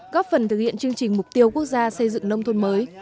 góp phần thực hiện chương trình mục tiêu quốc gia xây dựng nông thôn mới